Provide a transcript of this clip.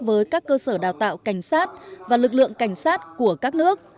với các cơ sở đào tạo cảnh sát và lực lượng cảnh sát của các nước